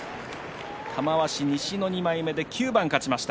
玉鷲、西の２枚目で９番勝ちました。